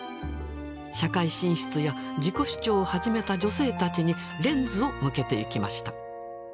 社会進出や自己主張を始めた女性たちにレンズを向けていきました。